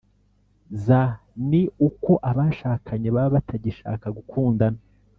z ni uko abashakanye baba batagishaka gukundana